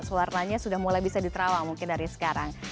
warnanya sudah mulai bisa diterawang mungkin dari sekarang